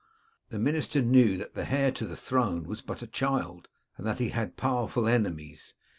The minister knew that the heir to the throne was but a child, and that he had powerful enemies.